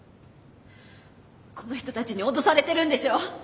この人たちに脅されてるんでしょ？